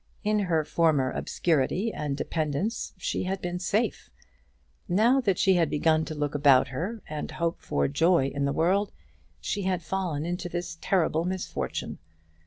In her former obscurity and dependence she had been safe. Now that she had begun to look about her and hope for joy in the world, she had fallen into this terrible misfortune!